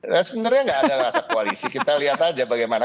nah sebenarnya nggak ada rasa koalisi kita lihat aja bagaimana